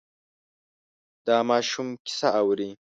دا ماشوم کیسه اوري.